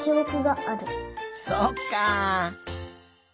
そっか。